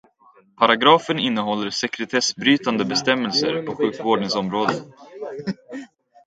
Paragrafen innehåller sekretessbrytande bestämmelser på sjukvårdens område.